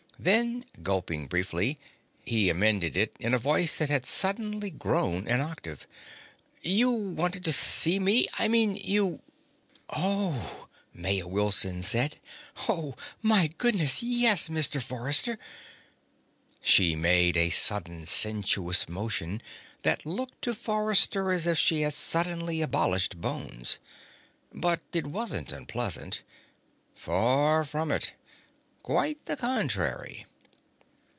Then, gulping briefly, he amended it in a voice that had suddenly grown an octave: "You wanted to see me? I mean, you " "Oh," Maya Wilson said. "Oh, my goodness, yes, Mr. Forrester!" She made a sudden sensuous motion that looked to Forrester as if she had suddenly abolished bones. But it wasn't unpleasant. Far from it. Quite the contrary.